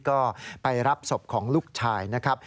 ก็ไปรับศพของลูกชายนะครับ